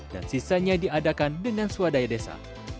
dan sisanya diadakan dengan swadaya desa